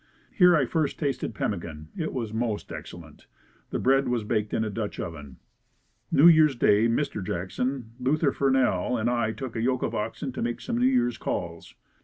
Here I first tasted pemmican. It was most excellent. The bread was baked in a Dutch oven. New Year's Day, Mr. Jackson, Luther Furnell and I took a yoke of oxen to make some New Years calls.